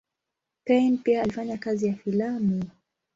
Payn pia alifanya kazi ya filamu.